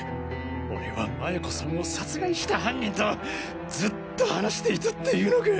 俺は麻也子さんを殺害した犯人とずっと話していたって言うのか。